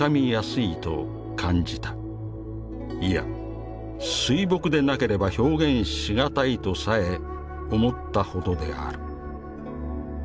いや水墨でなければ表現し難いとさえ思ったほどである」。